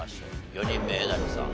４人目えなりさん